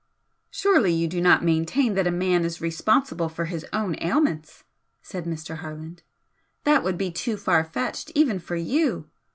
"Surely you do not maintain that a man is responsible for his own ailments?" said Mr. Harland "That would be too far fetched, even for YOU!